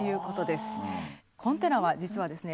コンテナは実はですね